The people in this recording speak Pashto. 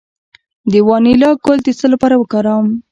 د وانیلا ګل د څه لپاره وکاروم؟